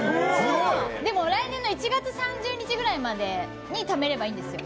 でも来年の１月３０日ぐらいまでにためればいいんですよ。